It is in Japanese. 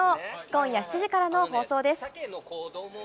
今夜７時からの放送です。